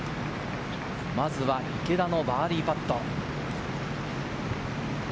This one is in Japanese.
まずは池田のバーディーパット。